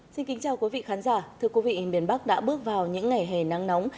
xin kính chào quý vị khán giả thưa quý vị miền bắc đã bước vào những ngày hè nắng nóng